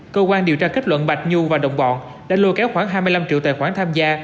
cơ quan điều tra kết luận bạch nhu và đồng bọn đã lôi kéo khoảng hai mươi năm triệu tài khoản tham gia